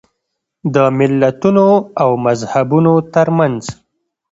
د ملتونو او مذهبونو ترمنځ.